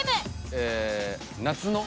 ええ「夏の」。